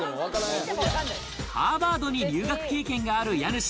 ハーバードに留学経験がある家主。